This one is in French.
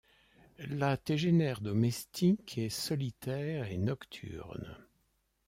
La tégénaire domestique est solitaire et nocturne.